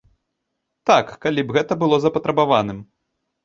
Так, калі б гэта было запатрабаваным.